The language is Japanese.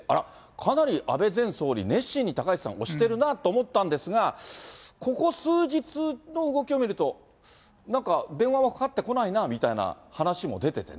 かなり安倍前総理、熱心に高市さん推してるなと思ったんですが、ここ数日の動きを見ると、なんか電話はかかってこないなみたいな話も出ててね。